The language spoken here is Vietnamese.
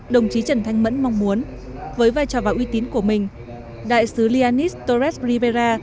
đồng chí trần thanh mẫn mong muốn với vai trò và uy tín của mình đại sứ lianis torres rivera